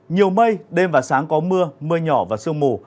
nhiều mây đêm và sáng có mưa mưa nhỏ và sương mù